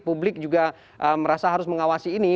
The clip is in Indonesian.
publik juga merasa harus mengawasi ini